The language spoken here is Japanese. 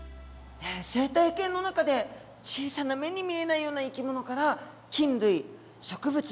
生態系の中で小さな目に見えないような生き物から菌類植物